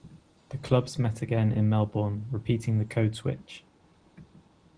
The clubs met again in Melbourne, repeating the code switch.